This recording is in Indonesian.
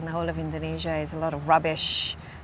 tapi di seluruh indonesia ada banyak kemampuan yang berkumpul